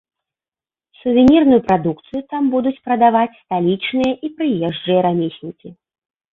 Сувенірную прадукцыю там будуць прадаваць сталічныя і прыезджыя рамеснікі.